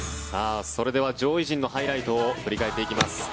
それでは上位陣のハイライトを振り返っていきます。